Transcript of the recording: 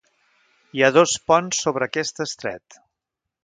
Hi ha dos ponts sobre aquest estret.